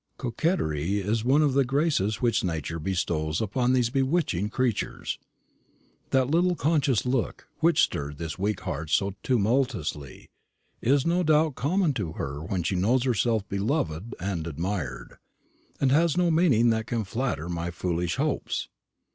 "Coquetry is one of the graces which Nature bestows upon these bewitching creatures. That little conscious look, which stirred this weak heart so tumultuously, is no doubt common to her when she knows herself beloved and admired, and has no meaning that can flatter my foolish hopes."